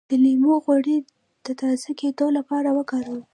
د لیمو غوړي د تازه کیدو لپاره وکاروئ